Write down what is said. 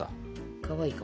かわいいかも。